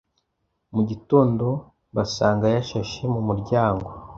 Mu gitondo basanga yashashe mu muryango